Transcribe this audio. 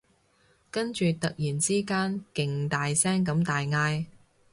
跟住突然之間勁大聲咁大嗌